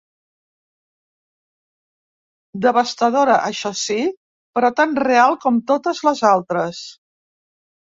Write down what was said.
Devastadora, això sí, però tan real com totes les altres.